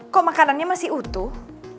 kok makanannya masih utuh